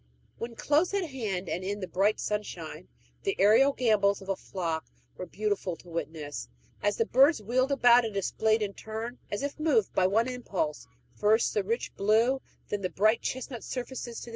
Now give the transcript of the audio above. When close at hand and in the bright sunshine, the aerial gambols of a flock were beautiful to witness, as the birds wheeled about and displayed in turn, as if moved by one impulse, first the rich blue, then the bright chestnut surfaces to the eye.